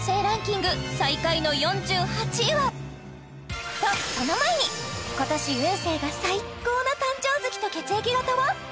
ランキング最下位の４８位はとその前に今年運勢が最高な誕生月と血液型は？